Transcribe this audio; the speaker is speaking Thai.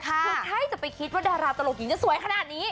คือใครจะไปคิดว่าดาราตลกหญิงจะสวยขนาดนี้